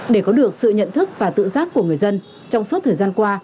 để có được sự nhận thức và tự giác của người dân trong suốt thời gian qua